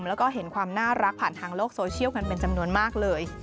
แล้วก็เห็นความน่ารักผ่านทางโลกโซเชียลกันเป็นจำนวนมากเลย